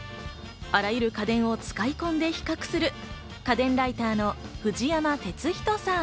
あらゆる家電を使い込んで比較する、家電ライターの藤山哲人さん。